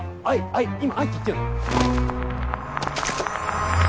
はいはい。